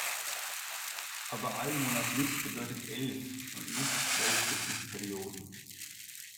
Aber allmonatlich bedeutet elf und nicht zwölf Sitzungsperioden.